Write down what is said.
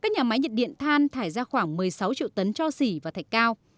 các nhà máy nhiệt điện than thải ra khoảng một mươi sáu triệu tấn cho xỉ và thạch cao